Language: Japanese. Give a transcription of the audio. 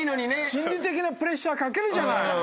心理的なプレッシャーかけるじゃない。